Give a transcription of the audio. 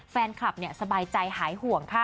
แฟนคลับเนี่ยสบายใจหายห่วงค่ะ